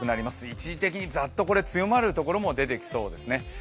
一時的にザッと強まるところも出てきそうですね。